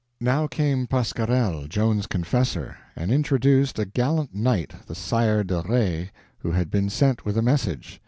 Now came Pasquerel, Joan's confessor, and introduced a gallant knight, the Sire de Rais, who had been sent with a message.